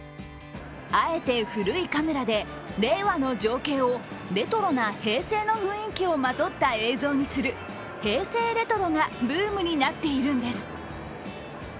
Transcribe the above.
あえて古いカメラで令和の情景をレトロな平成の雰囲気をまとった映像にする平成レトロがブームになっているんです。